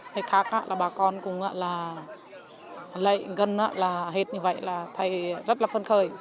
thế khác là bà con cũng là lệ gân là hết như vậy là thấy rất là phân khởi